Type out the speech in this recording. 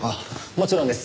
もちろんです。